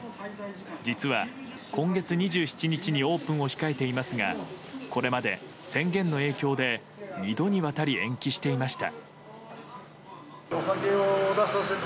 実は今月２７日にオープンを控えていますがこれまで宣言の影響で２度に渡り延期していました。